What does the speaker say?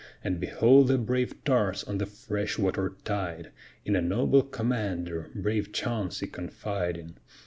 And behold the brave tars on the fresh water tide, In a noble commander, brave Chauncey, confiding.